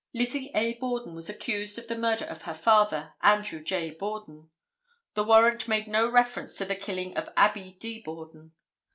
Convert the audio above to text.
Lizzie A. Borden was accused of the murder of her father, Andrew J. Borden. The warrant made no reference to the killing of Abbie D. Borden.